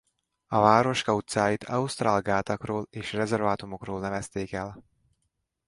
A városka utcáit ausztrál gátakról és rezervátumokról nevezték el.